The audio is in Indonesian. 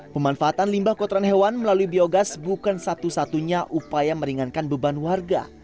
pemanfaatan limbah kotoran hewan melalui biogas bukan satu satunya upaya meringankan beban warga